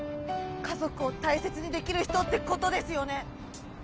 家族を大切にできる人ってことですよね？